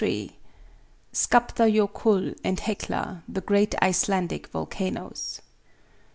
Skaptar Jokull and Hecla, the Great Icelandic Volcanoes.